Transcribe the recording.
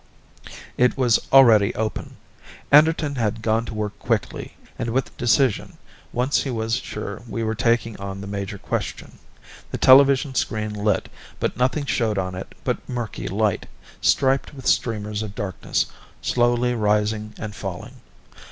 It was already open; Anderton had gone to work quickly and with decision once he was sure we were taking on the major question. The television screen lit, but nothing showed on it but murky light, striped with streamers of darkness slowly rising and falling.